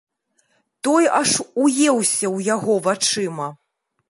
Той аж уеўся ў яго вачыма.